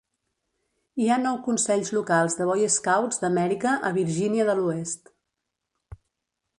Hi ha nou consells locals de Boy Scouts d'Amèrica a Virgínia de l'Oest.